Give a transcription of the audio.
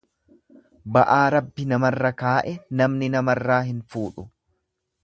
Ba'aa Rabbi namarra kaa'e namni namarraa hin fuudhu.